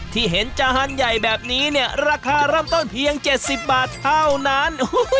ที่เห็นจานใหญ่แบบนี้เนี่ยราคาเริ่มต้นเพียง๗๐บาทเท่านั้น